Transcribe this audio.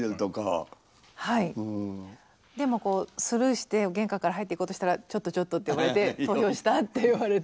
でもこうスルーして玄関から入っていこうとしたら「ちょっとちょっと」って呼ばれて「投票した？」って言われて。